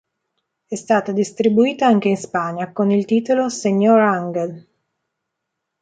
È stata distribuita anche in Spagna con il titolo "Señor Ángel".